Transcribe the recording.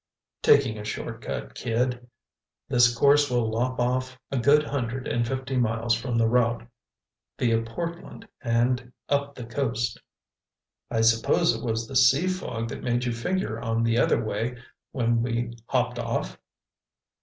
"Taking a short cut, kid. This course will lop off a good hundred and fifty miles from the route via Portland and up the coast." "I suppose it was the sea fog that made you figure on the other way when we hopped off?"